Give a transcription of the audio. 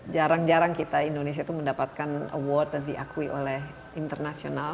jarang jarang kita indonesia itu mendapatkan award dan diakui oleh internasional